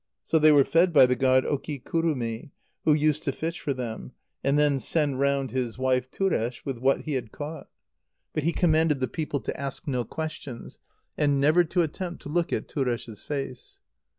So they were fed by the god Okikurumi, who used to fish for them, and then send round his wife Turesh with what he had caught. But he commanded the people to ask no questions, and never to attempt to look at Turesh's face.